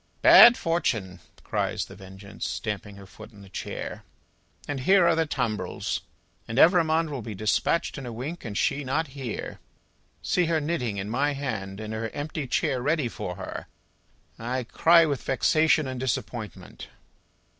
"Bad Fortune!" cries The Vengeance, stamping her foot in the chair, "and here are the tumbrils! And Evrémonde will be despatched in a wink, and she not here! See her knitting in my hand, and her empty chair ready for her. I cry with vexation and disappointment!"